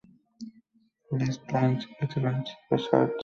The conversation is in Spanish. Les Plains-et-Grands-Essarts